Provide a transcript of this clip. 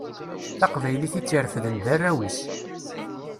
Taqbaylit i tt-irefden d arraw-is.